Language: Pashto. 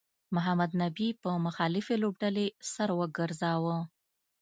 محمد نبي په مخالفې لوبډلې سر وګرځاوه